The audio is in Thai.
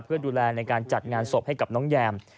เพื่อดูแลในการจัดงานศพให้กับน้องแยม